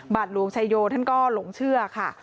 หลวงชายโยท่านก็หลงเชื่อค่ะ